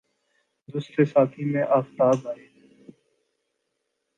دست ساقی میں آفتاب آئے